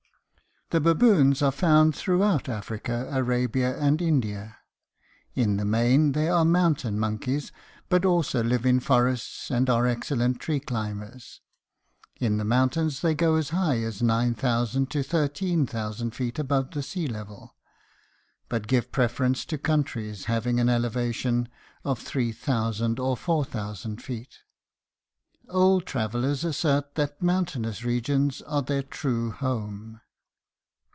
The baboons are found throughout Africa, Arabia, and India. In the main they are mountain monkeys, but also live in forests and are excellent tree climbers. In the mountains they go as high as nine thousand to thirteen thousand feet above the sea level, but give preference to countries having an elevation of three thousand or four thousand feet. Old travelers assert that mountainous regions are their true home.